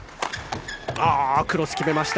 クロス、決めました。